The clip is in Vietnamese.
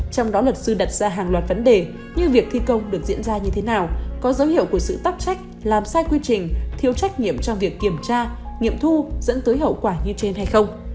trong đó luật sư đặt ra hàng loạt vấn đề như việc thi công được diễn ra như thế nào có dấu hiệu của sự tắc trách làm sai quy trình thiếu trách nhiệm trong việc kiểm tra nghiệm thu dẫn tới hậu quả như trên hay không